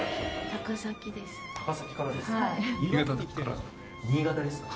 高崎からですか。